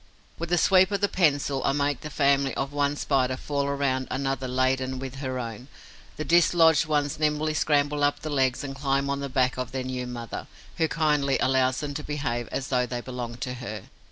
With a sweep of the pencil, I make the family of one Spider fall around another laden with her own family. The dislodged ones nimbly scramble up the legs and climb on the back of their new mother, who kindly allows them to behave as though they belonged to her.